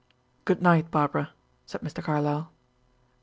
"Good night, Barbara," said Mr. Carlyle.